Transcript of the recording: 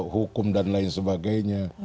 hukum dan lain sebagainya